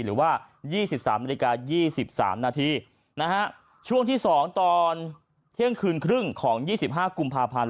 หรือว่า๒๓นาฬิกา๒๓นาทีช่วงที่๒ตอนเที่ยงคืนครึ่งของ๒๕กุมภาพันธ์